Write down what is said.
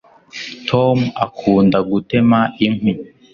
tom akunda gutema inkwi